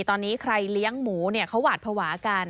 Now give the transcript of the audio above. ตอนนี้ใครเลี้ยงหมูเนี่ยเขาหวาดภาวะกัน